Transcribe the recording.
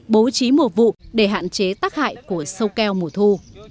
bố trí mùa vụ để hạn chế tác hại của sâu keo mùa thu